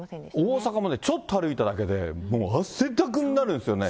大阪もちょっと歩いただけで、もう汗だくになるんですよね。